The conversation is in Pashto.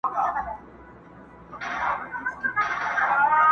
یوې جگي گڼي وني ته سو پورته،